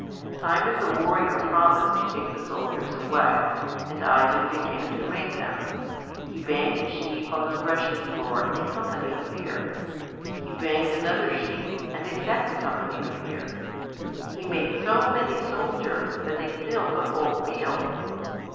Simon the Warrior promised to take the soldiers away, and Ivan began to make them. He banged a sheaf on the threshing floor and a company appeared. He banged another sheaf and a second company appeared. He made so many soldiers that they filled the whole field.